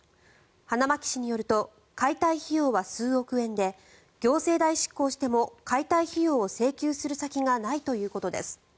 花巻市によると解体費用は数億円で行政代執行しても解体費用を請求する先がないということです。